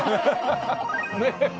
ねえ。